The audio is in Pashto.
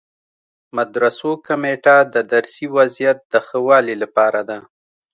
مدرسو کمیټه د درسي وضعیت د ښه والي لپاره ده.